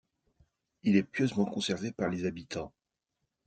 Il est pieusement conservé par les habitants.